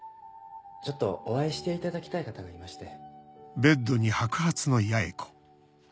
ちょっとお会いしていただきたい方がいまして。